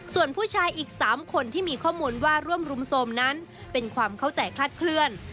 ส่วนผู้ชายอีก๓คนที่มีข้อมูลว่าร่วมรุมโทรมนั้นเป็นความเข้าใจคลาดเคลื่อน